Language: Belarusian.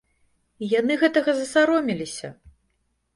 І яны гэтага засаромеліся!